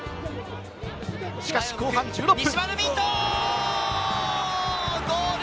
しかし後半１６分。